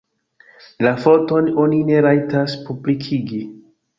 La foton oni ne rajtas publikigi.